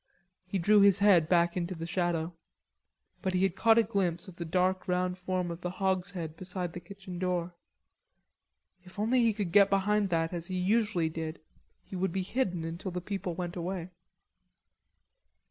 He drew his head back into the shadow. But he had caught a glimpse of the dark round form of the hogshead beside the kitchen door. If he only could get behind that as he usually did, he would be hidden until the people went away.